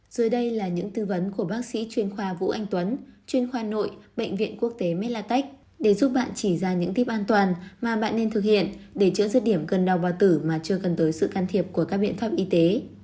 dưới đây là những tư vấn của bác sĩ chuyên khoa vũ anh tuấn chuyên khoa nội bệnh viện quốc tế melatech để giúp bạn chỉ ra những típ an toàn mà bạn nên thực hiện để chữa rứt điểm cân đau bào tử mà chưa cần tới sự can thiệp của các biện pháp y tế